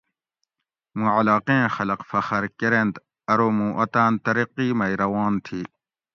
مُوں علاقیں خلق فخر کرینت ارو مُوں اوطاۤن ترقی مئی روان تھی